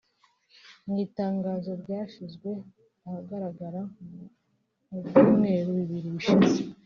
Mu itangazo ryashyizwe ahagaragara mu byumweru bibiri bishize